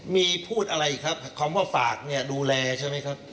มีพูดอะไรอีกครับคำว่าฝากเนี่ยดูแลใช่ไหมครับ